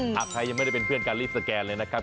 หากใครยังไม่ได้เป็นเพื่อนกันรีบสแกนเลยนะครับ